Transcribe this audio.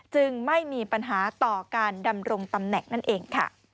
ไม่มีปัญหาต่อการดำรงตำแหน่งนั่นเองค่ะ